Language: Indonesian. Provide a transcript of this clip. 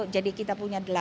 jadi kita punya delapan